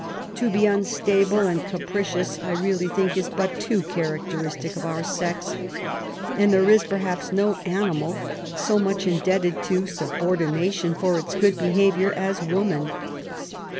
To be unstable and capricious, I really think, is but too characteristic of our sex; and there is, perhaps, no animal so much indebted to subordination for its good behaviour as woman.